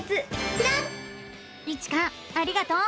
きらん☆イチカありがとう。